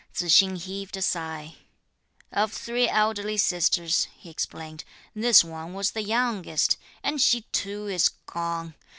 Tzu hsing heaved a sigh. "Of three elderly sisters," he explained, "this one was the youngest, and she too is gone!